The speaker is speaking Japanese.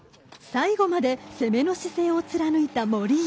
最後まで攻めの姿勢を貫いた森井。